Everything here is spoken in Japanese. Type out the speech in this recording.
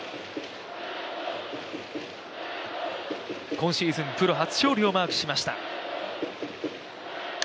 今シーズンプロ初勝利をマークしました。